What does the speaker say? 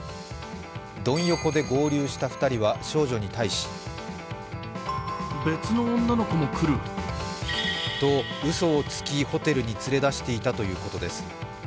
ドン横で合流した２人は少女に対しと、うそをつき、ホテルに連れ出していたということです。